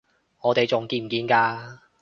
我哋仲見唔見㗎？